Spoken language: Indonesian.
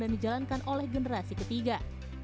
dan dijalankan oleh generasi ketiga